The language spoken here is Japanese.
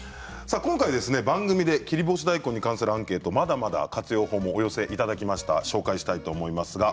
番組で、切り干し大根に関するアンケート、活用法もお寄せいただきました。